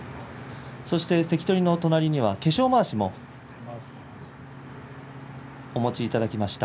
関取の隣には化粧まわしもお持ちいただきました。